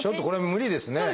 無理ですね。